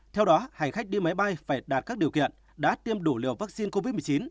theo đó hành khách đi máy bay phải đạt các điều kiện đã tiêm đủ liều vaccine covid một mươi chín